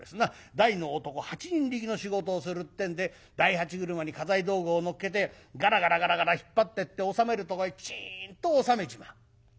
大の男八人力の仕事をするってんで大八車に家財道具を乗っけてガラガラガラガラ引っ張ってって収めるとこへきちんと収めちまう。